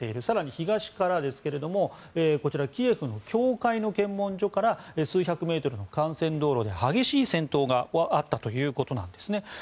更に東からですけどキエフの境界の検問所から数百メートルの幹線道路で激しい戦闘があったということなんですね。